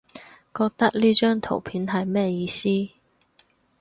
覺得呢張圖片係咩意思？